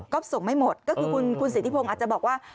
ก็ส่งไม่หมดก็คือคุณสิทธิพงศ์อาจจะบอกว่า